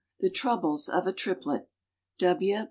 _) THE TROUBLES OF A TRIPLET. W.